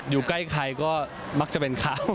อยู่ใกล้ใครก็มักจะเป็นเขา